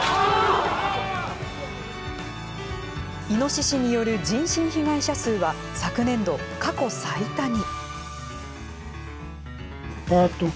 イノシシによる人身被害者数は昨年度、過去最多に。